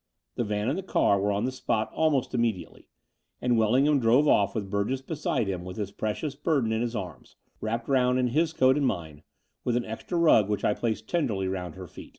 The van and the car were on the spot almost immediately; and Wellingham drove ofif with Burgess beside him with his precious burden in his arms, wrapped round in his coat and mine, with an extra rug which I placed tenderly round her feet.